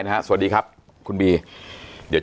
อันดับสุดท้าย